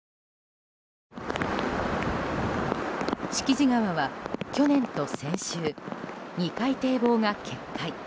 敷地川は去年と先週２回堤防が決壊。